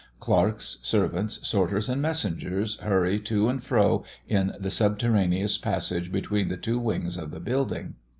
Clerks, servants, sorters, and messengers, hurry to and fro in the subterraneous passage between the two wings of the building.